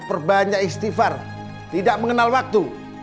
perbanyak istighfar tidak mengenal waktu